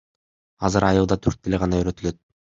Азыр айылда түрк тили гана үйрөтүлөт.